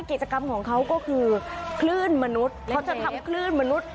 กิจกรรมของเขาก็คือคลื่นมนุษย์เขาจะทำคลื่นมนุษย์